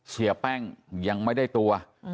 เสียแป้งยังไม่ได้ตัว